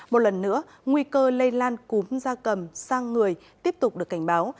một lần nữa nguy cơ lây lan cúm da cầm sang người tiếp tục được cảnh báo